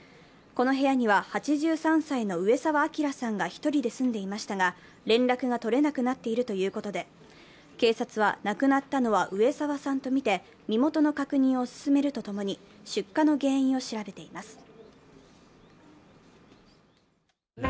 この部屋には８３歳の上沢陽さんが１人で住んでいましたが、連絡が取れなくなっているということで警察は亡くなったのは上沢さんとみて身元の確認を進めるとともに出火の原因を調べています。